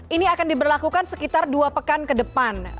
ini akan diberlakukan sekitar dua pekan ke depan